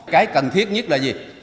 cái cần thiết nhất là gì